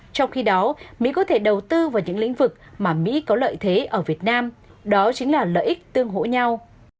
trong khi đó mỹ có thể đầu tư vào những lĩnh vực mà mỹ có lợi thế ở việt nam đó chính là lợi ích tương hỗ nhau